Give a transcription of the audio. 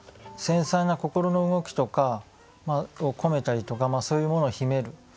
繊細な心の動きとかを込めたりとかそういうものを秘める。